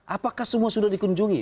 apakah semua sudah dikunjungi